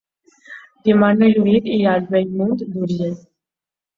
Dimarts na Judit irà a Bellmunt d'Urgell.